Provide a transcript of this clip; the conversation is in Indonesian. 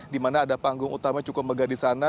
dimana ada panggung utama cukup megah disana